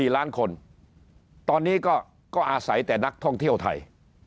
๔ล้านคนตอนนี้ก็อาศัยแต่นักท่องเที่ยวไทย